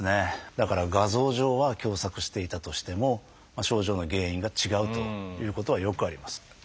だから画像上は狭窄していたとしても症状の原因が違うということはよくあります。